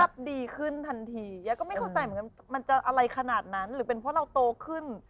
ดีขึ้นทันทียายก็ไม่เข้าใจเหมือนกันมันจะอะไรขนาดนั้นหรือเป็นเพราะเราโตขึ้น